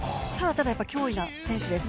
ただ、脅威な選手です。